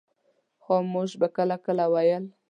خاموش به کله کله ویل.